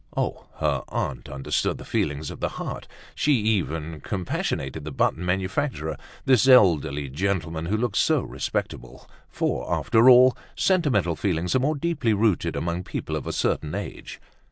Oh! her aunt understood the feelings of the heart; she even compassionated the button manufacturer, this elderly gentleman, who looked so respectable, for, after all, sentimental feelings are more deeply rooted among people of a certain age.